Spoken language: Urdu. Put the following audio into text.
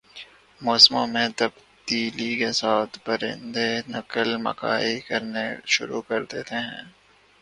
موسموں میں تبدیلی کے ساتھ ہی پرندے نقل مکانی کرنا شروع کرتے ہیں